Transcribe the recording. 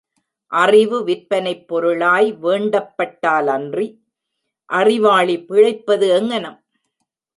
அறிவு விற்பனைப் பொருளாய் வேண்டப்பட்டாலன்றி, அறிவாளி பிழைப்பது எங்ஙனம்?